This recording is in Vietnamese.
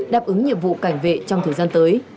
đáp ứng nhiệm vụ cảnh vệ trong thời gian tới